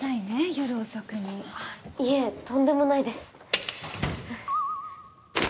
夜遅くにあっいえとんでもないです